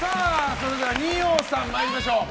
それでは二葉さん参りましょう。